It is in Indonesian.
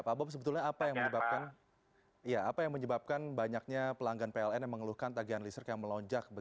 pak bob sebetulnya apa yang menyebabkan banyaknya pelanggan pln yang mengeluhkan tagihan listrik yang melonjak